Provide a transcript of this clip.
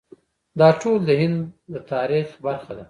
دا ټول د هند د تاریخ برخه ده.